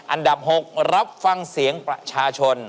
อันดับ๖รับฟังเสียงประชาชน